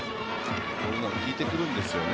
こういうのが効いてくるんですよね。